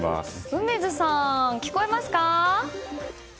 梅津さん、聞こえますか？